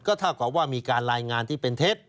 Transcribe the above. เท่ากับว่ามีการรายงานที่เป็นเท็จ